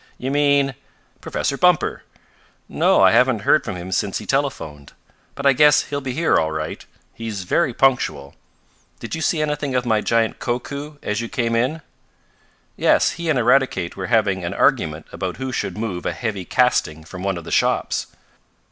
"You mean ?" "Professor Bumper." "No, I haven't heard from him since he telephoned. But I guess he'll be here all right. He's very punctual. Did you see anything of my giant Koku as you came in?" "Yes, he and Eradicate were having an argument about who should move a heavy casting from one of the shops.